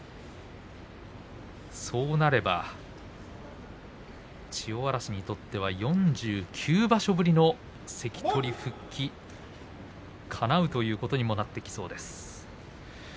そうなれば千代嵐にとっては４９場所ぶりの関取復帰かなうということにもなってきそうです。